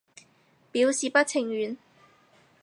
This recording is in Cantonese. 表示不情願